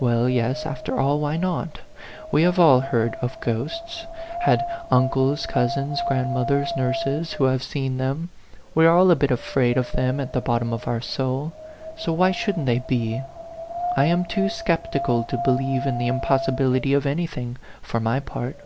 Well, yes, after all, why not ? We have all heard of ghosts; had uncles, 104 A PHANTOM LOVER cousins, grandmothers, nurses, who have seen them ; we are all a bit afraid of them at the bottom of our soul ; so why shouldn't they be ? I am too sceptical to believe in the im possibility of anything, for my part.